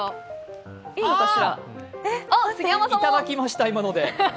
いただきました、今ので。